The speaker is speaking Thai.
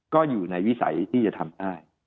ก็อยู่ในวิสัยที่จะทำได้